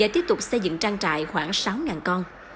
tiếp tục xây dựng trang trại khoảng sáu con